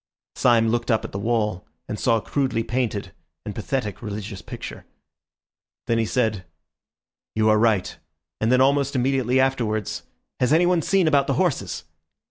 Syme looked up at the wall, and saw a crudely painted and pathetic religious picture. Then he said— "You are right," and then almost immediately afterwards, "Has anyone seen about the horses?"